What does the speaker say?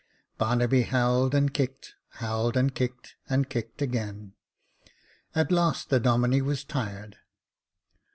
Barnaby howled and kicked, howled and kicked, and kicked again. At last the Domine was tired.